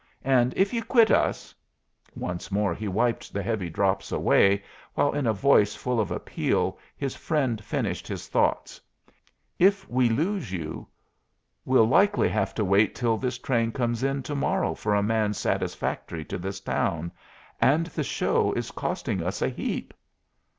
And if you quit us " Once more he wiped the heavy drops away, while in a voice full of appeal his friend finished his thought: "If we lose you, we'll likely have to wait till this train comes in to morrow for a man satisfactory to this town. And the show is costing us a heap."